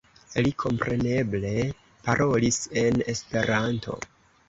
Li kompreneble parolis en Esperanto.